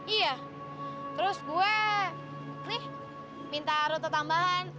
iya terus gue nih minta rute tambahan